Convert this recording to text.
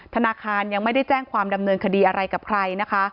ธนาคารยังไม่ได้แจ้งความดำเนินคดีอะไรกับใครนะคะ